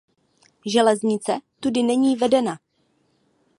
Železnice tudy není vedena.